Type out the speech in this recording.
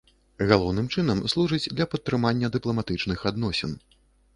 Галоўным чынам, служыць для падтрымання дыпламатычных адносін.